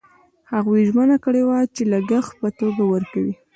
هغوی ژمنه کړې وه چې لګښت په توګه ورکوي.